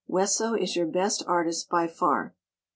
Wesso is your best artist by far.